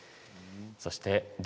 そして「り」